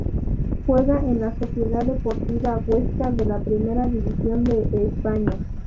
Juega en la Sociedad Deportiva Huesca de la Primera División de España.